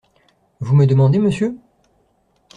Vous me demandez, monsieur ?